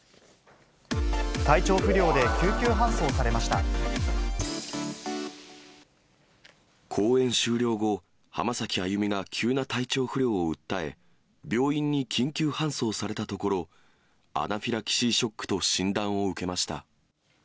体調不良で救急搬送されまし公演終了後、浜崎あゆみが急な体調不良を訴え、病院に緊急搬送されたところ、アナフィラキシーショックと診断を受けました。